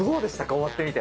終わってみて。